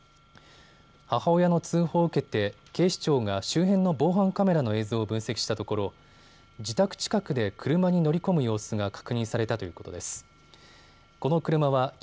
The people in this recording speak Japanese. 母親の通報を受けて警視庁が周辺の防犯カメラの映像を分析したところ自宅近くで車に乗り込む様子が確認されたということです。